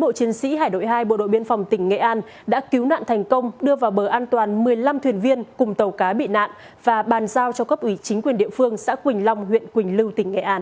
bộ chiến sĩ hải đội hai bộ đội biên phòng tỉnh nghệ an đã cứu nạn thành công đưa vào bờ an toàn một mươi năm thuyền viên cùng tàu cá bị nạn và bàn giao cho cấp ủy chính quyền địa phương xã quỳnh lưu tỉnh nghệ an